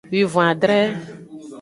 Wivon-adre.